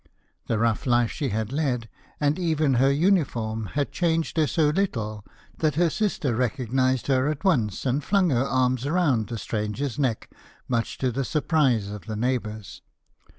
The rough life she had led, and even her uniform, had changed her so little that her sister recognised her at once, and flung her arms round the stranger's neck, much to the surprise of the neighbours.